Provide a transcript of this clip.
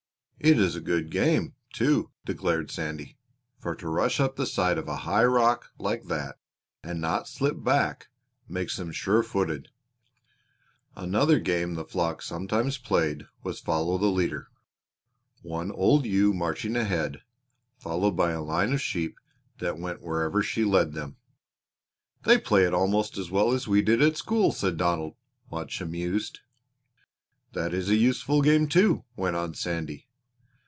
"It is a good game, too," declared Sandy, "for to rush up the side of a high rock like that and not slip back makes them sure footed." Another game the flock sometimes played was Follow the Leader, one old ewe marching ahead, followed by a line of sheep that went wherever she led them. "They play it almost as well as we did at school," said Donald, much amused. "That is a useful game too," went on Sandy.